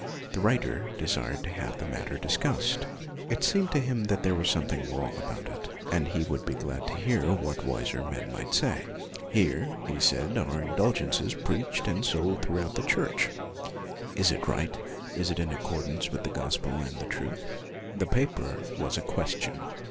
The writer desired to have the matter discussed. It seemed to him that there was something wrong about it, and he would be glad to hear what wiser men might say. Here, he said, are indulgences preached and sold through out the Church: is it right? is it in accord ance with the gospel and the truth? The paper was a question.